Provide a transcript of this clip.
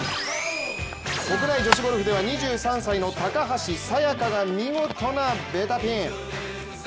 国内女子ゴルフでは２３歳の高橋彩華が見事なベタピン。